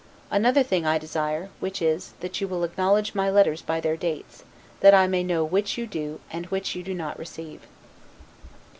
Another thing I desire, which is, that you will acknowledge my letters by their dates, that I may know which you do, and which you do not receive.